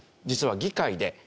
実は議会で。